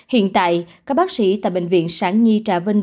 hiện tại các bác sĩ tại bệnh viện sản nhi trà vinh